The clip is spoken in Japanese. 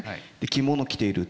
着物着ている。